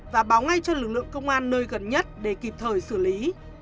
và báo ngay cho lực lượng công an nơi gần nhất để kịp thời xử lý